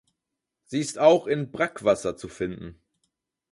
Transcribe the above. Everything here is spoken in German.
Sie ist auch in Brackwasser zu finden.